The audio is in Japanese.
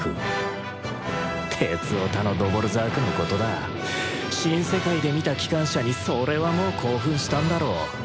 鉄オタのドヴォルザークのことだ「新世界」で見た機関車にそれはもう興奮したんだろう。